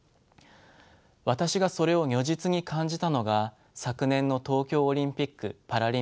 私がそれを如実に感じたのが昨年の東京オリンピック・パラリンピックです。